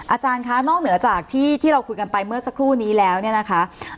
อาจารย์คะนอกเหนือจากที่เราคุยกันไปเมื่อสักครู่นี้แล้วเนี่ยนะคะ